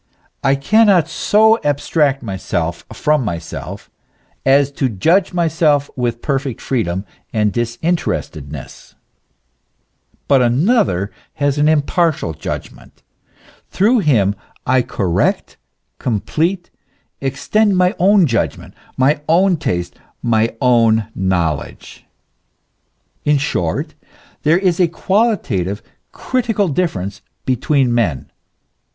I cannot so abstract myself from myself as to judge myself with perfect freedom and disinterestedness; but another has an impartial judgment; through him I correct, complete, extend my own judgment, my own taste, my own knowledge. In short, 158 THE ESSENCE OF CHRISTIANITY. there is a qualitative, critical difference between men.